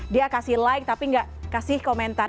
dia kasih like tapi nggak kasih komentar